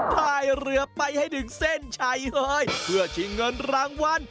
พายเรือไปให้ถึงเส้นชัยเฮ้ยเพื่อชิงเงินรางวัล